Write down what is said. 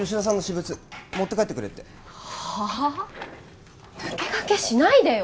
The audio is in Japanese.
抜け駆けしないでよ